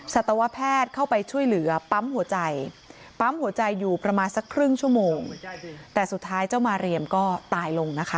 สัตวแพทย์เข้าไปช่วยเหลือปั๊มหัวใจปั๊มหัวใจอยู่ประมาณสักครึ่งชั่วโมงแต่สุดท้ายเจ้ามาเรียมก็ตายลงนะคะ